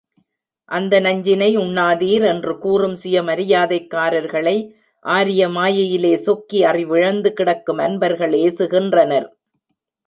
அந்த நஞ்சினை உண்ணாதீர் என்று கூறும் சுயமரியாதைக்காரர்களை, ஆரிய மாயையிலே சொக்கி அறிவிழந்து கிடக்கும் அன்பர்கள் ஏசுகின்றனர்!